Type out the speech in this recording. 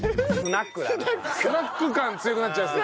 スナック感強くなっちゃいます。